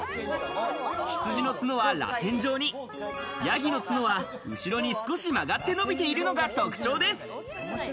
ヒツジのツノは、らせん状に、ヤギのツノは後ろに少し曲がって伸びているのが特徴です。